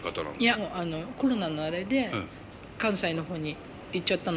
いやコロナのあれで関西の方に行っちゃったので。